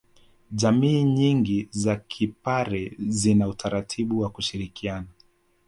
Jamii nyingi za kipare zina utaratibu wa kushirikiana